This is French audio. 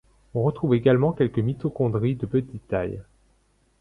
On retrouve également quelques mitochondries de petite taille.